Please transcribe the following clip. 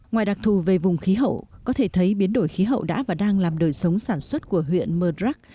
ngoài đặc thù về vùng khí hậu có thể thấy biến đổi khí hậu đã và đang làm đời sống sản xuất của huyện mờ rắc